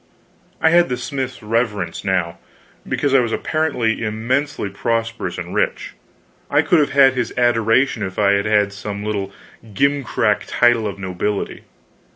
I had the smith's reverence now, because I was apparently immensely prosperous and rich; I could have had his adoration if I had had some little gimcrack title of nobility.